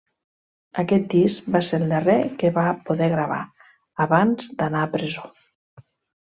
Aquest disc va ser el darrer que va poder gravar abans d'anar a presó.